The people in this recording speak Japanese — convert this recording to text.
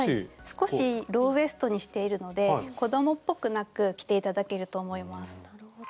少しローウエストにしているので子どもっぽくなく着て頂けると思います。